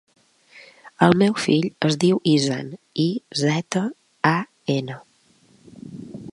El meu fill es diu Izan: i, zeta, a, ena.